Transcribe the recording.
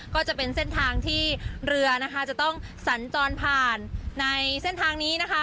ก็จะเป็นเส้นทางที่เรือนะคะจะต้องสัญจรผ่านในเส้นทางนี้นะคะ